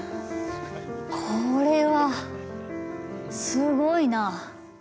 これは、すごいなあ。